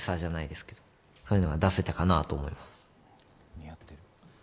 似合ってる。